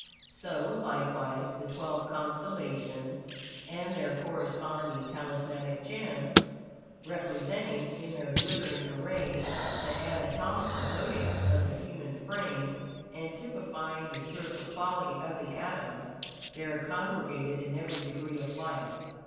So, likewise, the twelve constellations and their corresponding talismanic gems, representing in their glittering array the anatomical Zodiac of the human frame, and typifying the spiritual quality of the atoms, there congregated, in every degree of life.